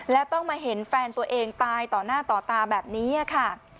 และต้องมาเห็นแฟนตัวเองตายต่อหน้าต่อตาแบบนี้ค่ะ